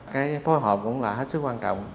cái phối hợp cũng là hết sức quan trọng